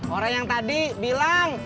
orang yang tadi bilang